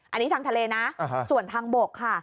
อันนี้ทางทะเลนะส่วนทางบกค่ะ